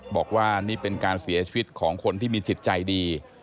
บอกว่านี่เป็นการเสียชีวิตของคนที่มีจิตใจดี